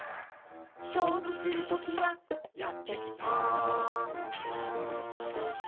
「しょうぶするときがやってきた」